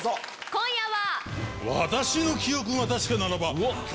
今夜は。